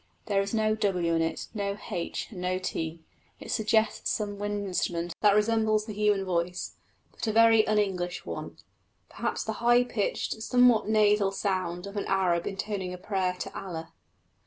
There is no w in it, and no h and no t. It suggests some wind instrument that resembles the human voice, but a very un English one perhaps the high pitched somewhat nasal voice of an Arab intoning a prayer to Allah.